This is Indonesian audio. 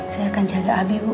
saya akan jaga abi bu